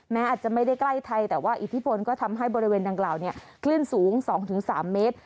อาจจะไม่ได้ใกล้ไทยแต่ว่าอิทธิพลก็ทำให้บริเวณดังกล่าวเนี่ยคลื่นสูง๒๓เมตร